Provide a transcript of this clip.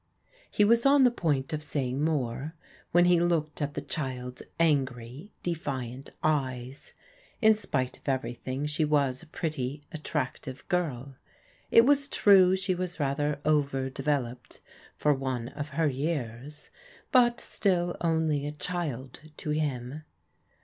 He was on the point of saying more, when he looked at the child's angry, defiant eyes. In spite of everything she was a pretty, attractive girL It was true she was rather over devdoped for one of her years, but still only a child to him.